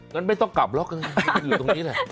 งั้นไม่ต้องกลับหรอกอยู่ตรงนี้แหละ